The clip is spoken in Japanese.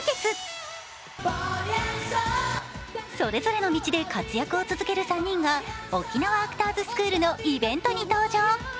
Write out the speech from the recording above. それぞれの道で活躍を続ける３人が沖縄アクターズスクールのイベントに登場。